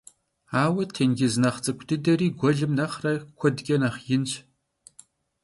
Aue têncız nexh ts'ık'u dıderi guelım nexhre kuedç'e nexh yinş.